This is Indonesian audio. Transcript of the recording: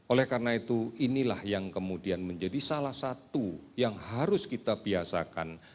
oleh karena itu inilah yang kemudian menjadi salah satu yang harus kita biasakan